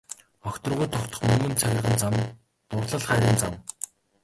Огторгуйд тогтох мөнгөн цагирган зам дурлал хайрын зам.